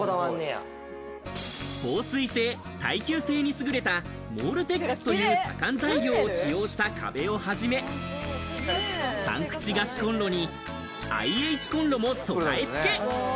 防水性、耐久性に優れたモールテックスという左官材料を使用した壁をはじめ、３口ガスコンロにＩＨコンロも備え付け。